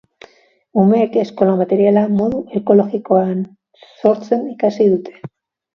Umeek eskola materiala modu ekologikoan sortzen ikasiko dute.